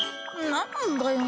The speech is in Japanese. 何だよ